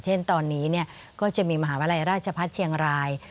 เช่นตอนนี้ก็จะมีมหาวิทยาลัยราชพัฒน์เชียงราย